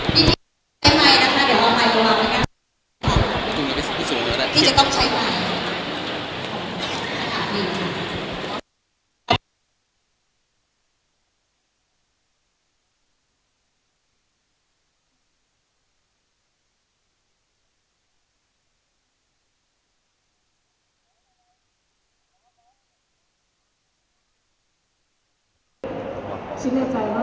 พี่ใช้ไมค์นะคะเดี๋ยวเอาไมค์กับเรานะคะที่จะต้องใช้ไว้